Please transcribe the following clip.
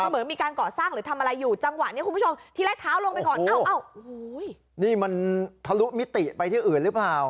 เหมือนมีการก่อสร้างหรือทำอะไรอยู่จังหวะนี้คุณผู้ชมที่แรกเท้าลงไปก่อนเอ้านี่มันทะลุมิติไปที่อื่นหรือเปล่า